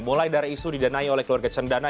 mulai dari isu didanai oleh keluarga cendana